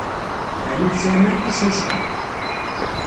Ɛni ur tesɛim ara tasnasɣalt?